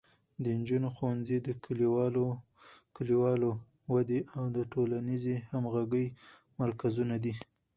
د نجونو ښوونځي د کلیوالو ودې او د ټولنیزې همغږۍ مرکزونه دي.